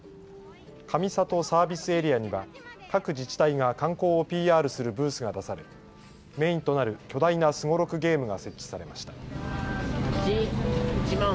上里サービスエリアには各自治体が観光をＰＲするブースが出されメインとなる巨大なすごろくゲームが設置されました。